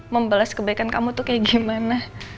membalas kebaikan kamu tuh kayak gimana